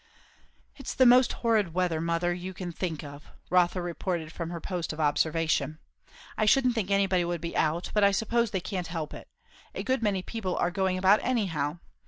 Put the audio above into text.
"It's the most horrid weather, mother, you can think of!" Rotha reported from her post of observation. "I shouldn't think anybody would be out; but I suppose they can't help it. A good many people are going about, anyhow.